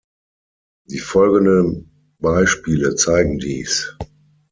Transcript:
Die folgenden Beispiele zeigen dies.